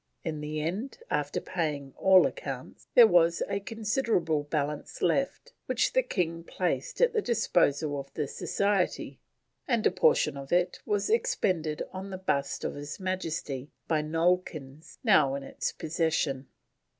In the end, after paying all accounts, there was a considerable balance left, which the King placed at the disposal of the Society, and a portion of it was expended on the bust of His Majesty, by Nollekins, now in its possession.